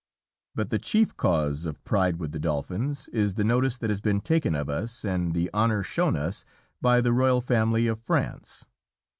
But the chief cause of pride with the Dolphins is the notice that has been taken of us, and the honor shown us by the royal family of France.